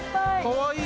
かわいい！